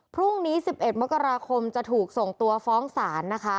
พรุ่งนี้๑๑มกราคมจะถูกส่งตัวฟ้องศาลนะคะ